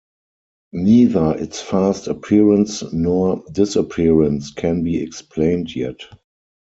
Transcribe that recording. Neither its fast appearance nor disappearance can be explained yet.